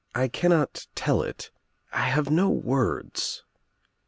— I cannot tell it. — I have no words.